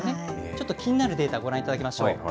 ちょっと気になるデータ、ご覧いただきましょう。